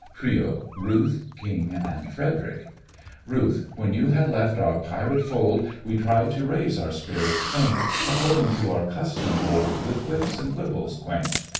TRIO—RUTH, KING, and FREDERIC RUTH: When you had left our pirate fold, We tried to raise our spirits faint, According to our custom old, With quips and quibbles quaint.